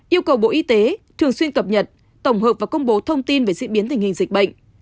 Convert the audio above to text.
yêu cầu bộ y tế thường xuyên cập nhật tổng hợp và công bố thông tin về diễn biến tình hình dịch bệnh